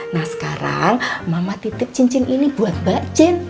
nah sekarang mama titip cincin ini buat mbak jen